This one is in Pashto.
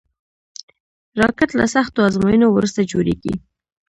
راکټ له سختو ازموینو وروسته جوړېږي